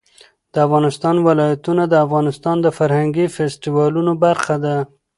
د افغانستان ولايتونه د افغانستان د فرهنګي فستیوالونو برخه ده.